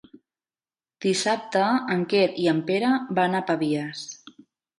Dissabte en Quer i en Pere van a Pavies.